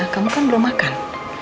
kamu kan belum makan